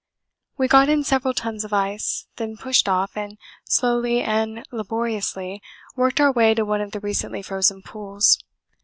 We got in several tons of ice, then pushed off and slowly and laboriously worked our way to one of the recently frozen pools.